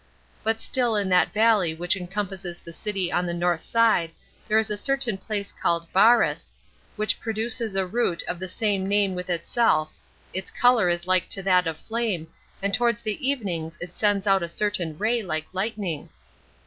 But still in that valley which encompasses the city on the north side there is a certain place called Baaras, which produces a root of the same name with itself 11 its color is like to that of flame, and towards the evenings it sends out a certain ray like lightning.